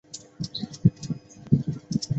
香港佑宁堂是香港基督教协进会的会员教会。